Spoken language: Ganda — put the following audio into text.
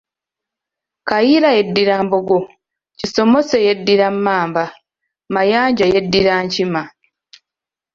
Kayiira yeddira Mbogo, Kisomose yeddira Mmamba, Mayanja yeddira Nkima.